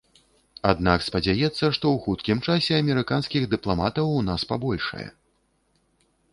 Аднак спадзяецца, што ў хуткім часе амерыканскіх дыпламатаў у нас пабольшае.